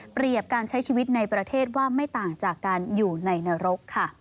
การใช้ชีวิตในประเทศว่าไม่ต่างจากการอยู่ในนรกค่ะ